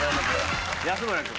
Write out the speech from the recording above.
安村君。